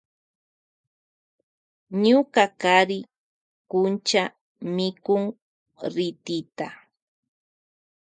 Ñuka kari kuncha mikun ritita.